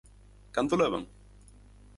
¿Canto levan?